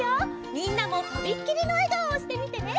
みんなもとびっきりのえがおをしてみてね！